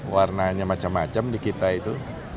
warnanya macam macam di kita itu